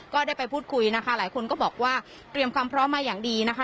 ก็ได้ไปพูดคุยนะคะหลายคนก็บอกว่าเตรียมความพร้อมมาอย่างดีนะคะ